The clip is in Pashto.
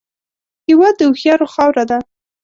هېواد د هوښیارو خاوره ده